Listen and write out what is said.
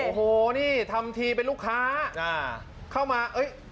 โอ๋โหนี่ทำทีเป็นลูกค้า